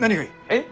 えっ？